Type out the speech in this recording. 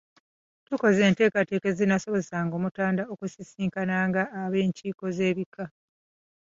Tukoze enteekateeka ezinaasobozesa Omutanda okusisinkananga ab’enkiiko z’ebika.